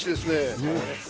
そうですね。